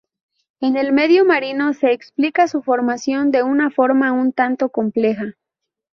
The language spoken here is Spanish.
En el medio marino se explica su formación de una forma un tanto compleja.